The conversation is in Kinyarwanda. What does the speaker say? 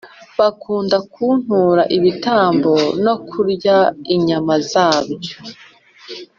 Bakunda kuntura ibitambo, no kurya inyama zabyo,